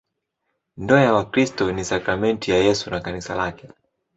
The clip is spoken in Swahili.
Ndoa ya Wakristo ni sakramenti ya Yesu na Kanisa lake.